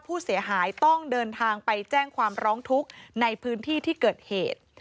ผู้เสียหายต้องเดินทางไปแจ้งความร้องทุกข์ในพื้นที่ที่เกิดเหตุ